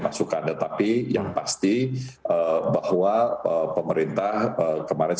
masukan tetapi yang pasti bahwa pemerintah kemarin